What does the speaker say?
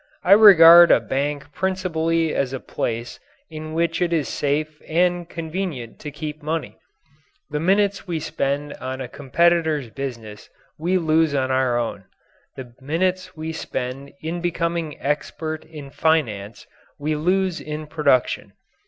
I regard a bank principally as a place in which it is safe and convenient to keep money. The minutes we spend on a competitor's business we lose on our own. The minutes we spend in becoming expert in finance we lose in production.